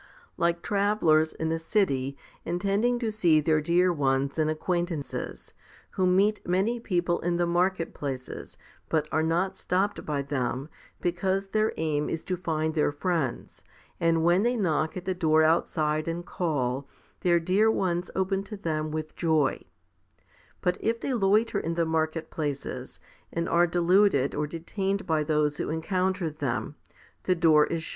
Like travellers in a city intending to see their dear ones and acquaintances, who meet many people in the market places, but are not stopped by them, because their aim is to find their friends, and when they knock at the door outside and call, their dear ones open to them with joy ; but if they loiter in the market places, and are deluded or detained by those who encounter them, the door is shut, 1 Macarius means that Satan can afford to let some persons alone.